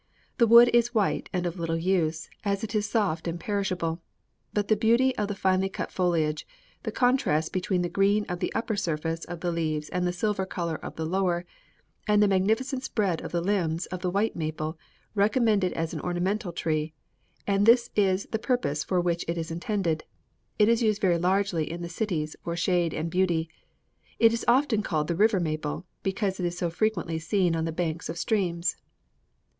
The wood is white and of little use, as it is soft and perishable; but the beauty of the finely cut foliage, the contrast between the green of the upper surface of the leaves and the silver color of the lower, and the magnificent spread of the limbs of the white maple, recommend it as an ornamental tree; and this is the purpose for which it is intended. It is used very largely in the cities for shade and beauty. It is often called the 'river maple,' because it is so frequently seen on the banks of streams."